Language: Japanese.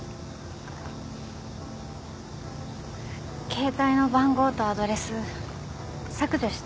携帯の番号とアドレス削除して。